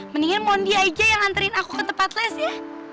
mendingan mondi aja yang nganterin aku ke tempat les ya